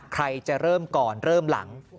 ใครจะเริ่มก่อนเริ่มหลัง